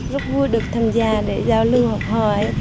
rất vui được tham gia để giao lưu học hỏi